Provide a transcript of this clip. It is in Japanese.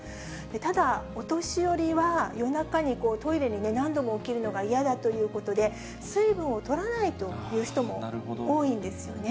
ただ、お年寄りは夜中にトイレに何度も起きるのが嫌だということで、水分をとらないという人も多いんですよね。